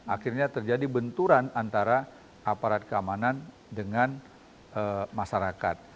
akhirnya terjadi benturan antara aparat keamanan dengan masyarakat